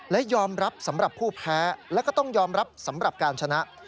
และยอมรับสำหรับผู้แพ้แล้วก็ต้องยอมรับสำหรับการชนะ